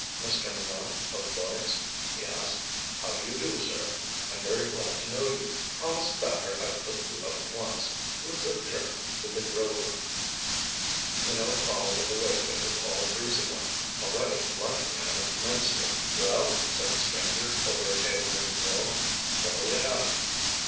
"Mr. Minot, of Lloyds?" he asked. "How do you do, sir? I'm very glad to know you. Promised Thacker I'd look you up at once. Let's adjourn to the grill room." Minot followed in the wake of the tall breezy one. Already he liked the man immensely. "Well," said the stranger, over a table in the grill, "what'll you have?